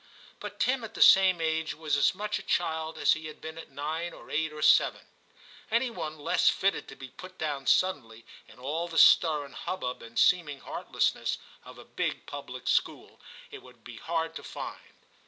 But Tim at the same age was as much a child as he had been at nine or eight or seven. Any one less fitted to be put down suddenly in all the stir and hubbub and seeming heart lessness of a big public school, it would be hard to find.